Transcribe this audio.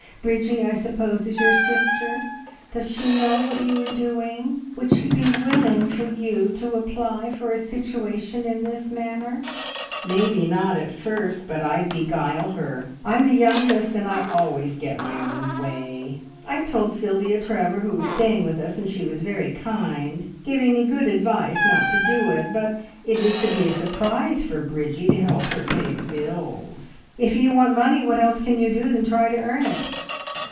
Bridgie, I suppose, is your sister? Does she know what you are doing? Would she be willing for you to apply for a situation in this manner?" "Maybe not at first, but I'd beguile her. I'm the youngest, and I always get my own way. I told Sylvia Trevor, who was staying with us, and she was very kind, giving me good advice not to do it, but it is to be a surprise for Bridgie to help her to pay the bills. If ye want money, what else can you do than try to earn it?"